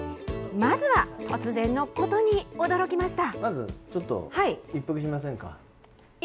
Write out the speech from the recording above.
まずは突然のことに驚きました。